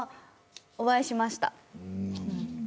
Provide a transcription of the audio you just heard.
お会いしました。